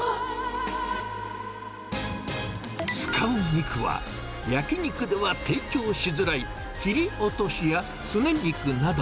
使う肉は、焼き肉では提供しづらい切り落としやスネ肉など。